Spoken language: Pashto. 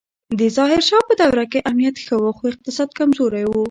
د ظاهر شاه په دوره کې امنیت ښه و خو اقتصاد کمزوری و